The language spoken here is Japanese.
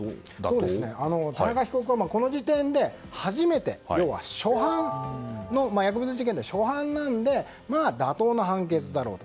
田中被告は、この時点で薬物事件では初犯なのでまあ、妥当な判決だろうと。